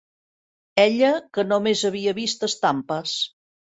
Ella que no més havia vist estampes